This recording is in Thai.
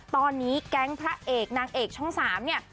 ตอนนี้แก๊งพระเอกนางเอกช่อง๓เนี่ย